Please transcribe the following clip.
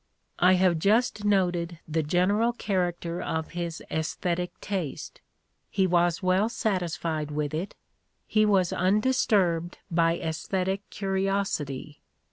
I have just noted the general character of his aesthetic taste: he was well satisfied with it, he was undisturbed by aesthetic curi osity.